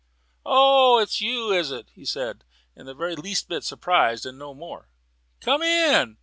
"Oh, it's you, is it?" he said, just the very least bit surprised and no more. "Come in."